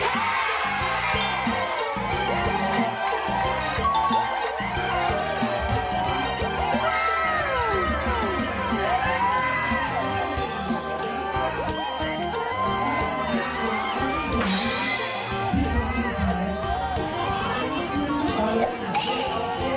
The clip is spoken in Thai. โดนทีก็เฮที